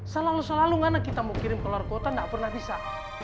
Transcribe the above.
selalu selalu ngana kita mau kirim ke luar kota nggak pernah bisa